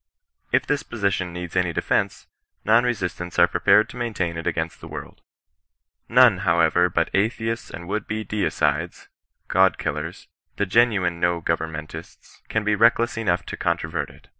If this position needs any defence, non resistants are prepared to maintain it against the world. None, however, but atheists and would be Deicides — [God killers] — ^the ge nuine no govemmentists, can be reckless enough to con trovert it.